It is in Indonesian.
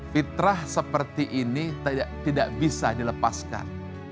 fitrah seperti ini tidak bisa dilepaskan